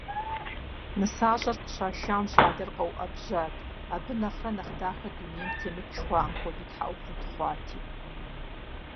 НысащӀэр къыщашам щӀалэр къэуӀэбжьат, абы нэхърэ нэхъ дахэ дунейм темыт жыхуаӀэм хуэдэу тхьэӀухуд хъуати.